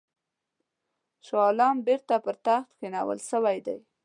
شاه عالم بیرته پر تخت کښېنول سوی دی.